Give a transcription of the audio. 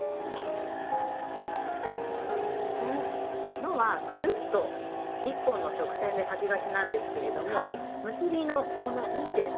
「の」はぐるっと１本の曲線で書きがちなんですけれども結びのこの２点で１回止めて角を作ります。